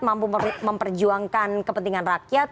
mampu memperjuangkan kepentingan rakyat